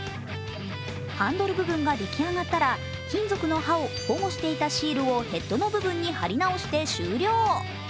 ハンドル部分が出来上がったら金属の刃を保護していたシールをヘッドの部分に貼り直して終了。